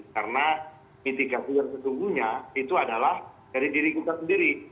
karena mitigasi yang sesungguhnya itu adalah dari diri kita sendiri